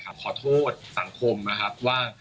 ขอโทษสังคมว่า